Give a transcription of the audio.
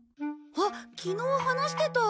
あっ昨日話してた。